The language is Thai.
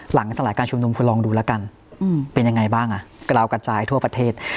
สลายการชุมนุมคุณลองดูแล้วกันเป็นยังไงบ้างอ่ะกระลาวกระจายทั่วประเทศ